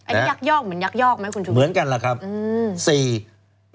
อันนี้ยักยอกเหมือนยักยอกไหมคุณชุมิตเหมือนกัน